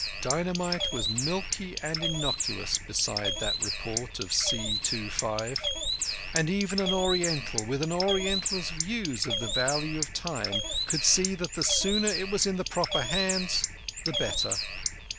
Dynamite was milky and innocuous beside that report of C25; and even an Oriental, with an Oriental's views of the value of time, could see that the sooner it was in the proper hands the better.